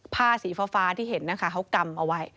ผ้าสีฟ้าที่เห็นนะคะเขากำเอาไว้